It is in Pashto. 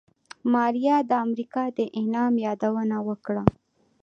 ماريا د امريکا د انعام يادونه وکړه.